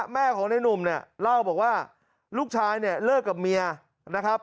แม่ของในนุ่มเนี่ยเล่าบอกว่าลูกชายเนี่ยเลิกกับเมียนะครับ